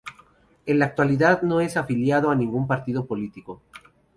En la actualidad no es afiliado a ningún partido político.